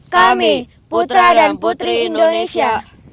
kami putra dan putri indonesia